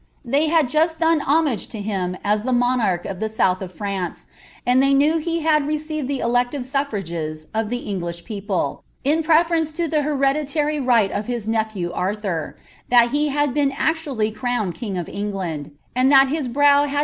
They had jusi done IiooNfl (o him as the monarch of the south of France, and they knew he M received the elective snSrages of the English people, in prvferenc* W the hereditary right of his nephew Arthur ; that he had I>een acuaSf crowned king of England, and that bis brow hai!